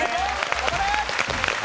頑張れ！